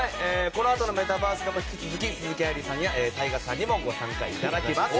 このあとメタバースでも引き続き、鈴木愛理さん大河さんにもご参加いただきます。